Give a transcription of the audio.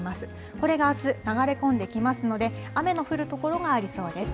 これがあす、流れ込んできますので、雨の降る所がありそうです。